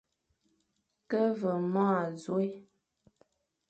Ke veñ môr azôe,